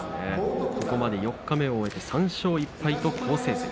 ここまで四日目を終えて３勝１敗と好成績。